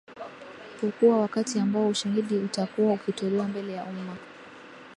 pokuwa wakati ambao ushahidi utakuwa ukitolewa mbele ya umma